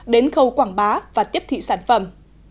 đến khâu quảng bá và tiếp thị sản phẩm